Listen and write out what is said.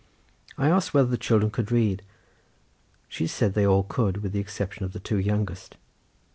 I asked whether the children could read; she said they all could, with the exception of the two youngest.